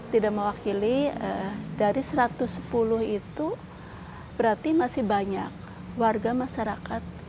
tidak mewakili dari satu ratus sepuluh itu berarti masih banyak warga masyarakat